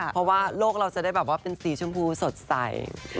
เพราะว่าโลกเราจะได้แบบว่าเป็นสีชมพูสดใส